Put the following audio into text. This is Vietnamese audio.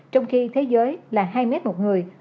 trong khi thế giới là hai m một người